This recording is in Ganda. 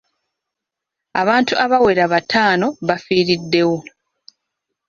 Abantu abawera bataano bafiiriddewo.